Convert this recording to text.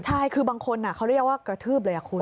ใช่คือบางคนเขาเรียกว่ากระทืบเลยคุณ